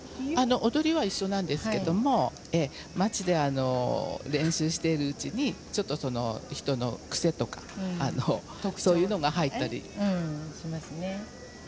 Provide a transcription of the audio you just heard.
踊りは一緒なんですけども町で練習しているうちにちょっと人の癖とかそういうのが入ったりしますね。